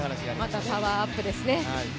またパワーアップですね。